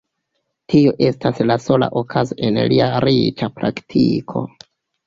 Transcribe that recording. Tio estis la sola okazo en lia riĉa praktiko.